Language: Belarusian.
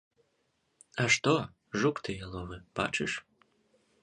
А што, жук ты яловы, бачыш?